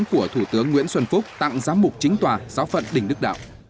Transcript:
của thủ tướng nguyễn xuân phúc tặng giám mục chính tòa giáo phận đình đức đạo